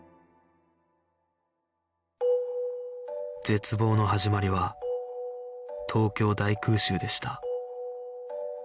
絶望の始まりは東京大空襲でした